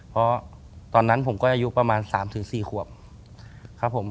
เพราะตอนนั้นผมก็อายุประมาณ๓๔ขวบครับผม